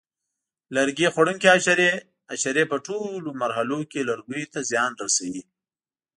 لرګي خوړونکي حشرې: حشرې په ټولو مرحلو کې لرګیو ته زیان رسوي.